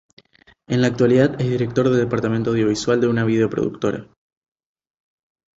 En la actualidad es director del departamento audiovisual de una vídeo-productora.